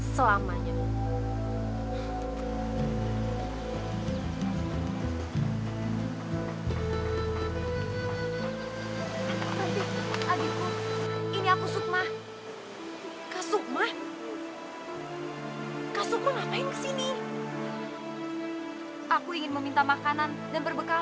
saya akan temukan dia besok